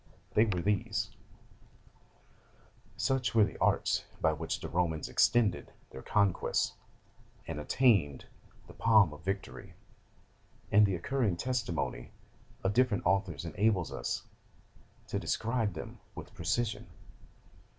They were these: "Such were the arts by which the Romans extended their conquests, and attained the palm of victory; and the concurring testimony of different authors enables us to describe them with precision..."